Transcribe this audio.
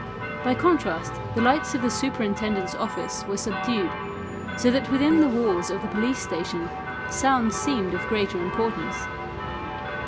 By contrast the lights of the superintendent's office were subdued, so that within the walls of the police station sounds seemed of greater importance.